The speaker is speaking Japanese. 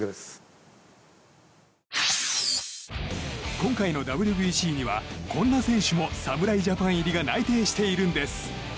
今回のＷＢＣにはこんな選手も侍ジャパン入りが内定しているんです。